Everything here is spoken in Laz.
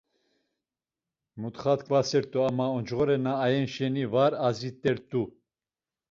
Mutxa t̆ǩvasert̆u ama oncğore na ayen şeni var azit̆ert̆u.